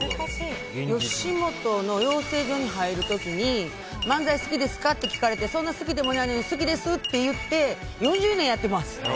吉本の養成所に入る時に漫才好きですかって聞かれてそんな好きでもないのに好きですって言って４０年やってます。